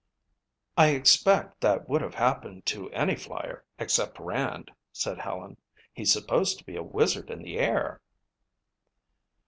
"I expect that would have happened to any flyer except Rand," said Helen. "He's supposed to be a wizard in the air."